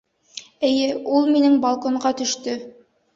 Эйе, ул минең балконға төштө.